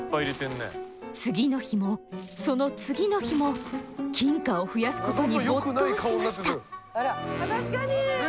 次の日もその次の日も金貨を増やすことに没頭しました。